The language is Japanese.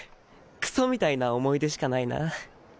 クソみたいな思い出しかないな。